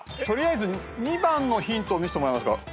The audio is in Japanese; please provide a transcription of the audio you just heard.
取りあえず２番のヒントを見せてもらえますか？